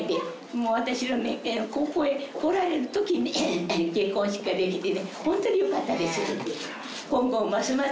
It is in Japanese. もう私は、ここへ来られるときに結婚式ができてね、本当によかったです。